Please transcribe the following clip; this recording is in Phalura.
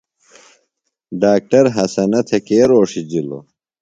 ڈاکٹر حسنہ تھےۡ کے رھوݜِجِلوۡ ؟